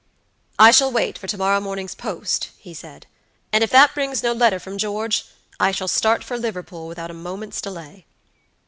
"I shall wait for to morrow morning's post," he said; "and if that brings no letter from George, I shall start for Liverpool without a moment's delay."